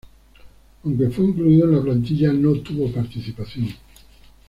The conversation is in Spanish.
Aunque fue incluido en la Plantilla, no tuvo participación.